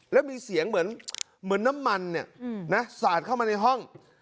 แล้วมีเสียงเหมือนเหมือนน้ำมันเนี่ยอืมนะสาดเข้ามาในห้อง